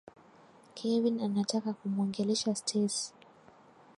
Kevin anataka kumwongelesha Stacey.